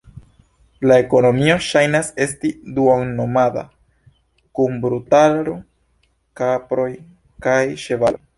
La ekonomio ŝajnas esti duon-nomada, kun brutaro, kaproj kaj ĉevaloj.